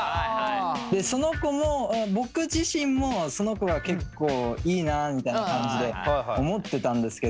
その子も僕自身もその子が結構いいなみたいな感じで思ってたんですけど。